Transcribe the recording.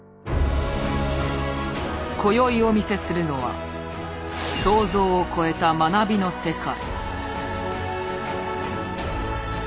こよいお見せするのは想像を超えた学びの世界。